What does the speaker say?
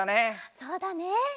そうだね。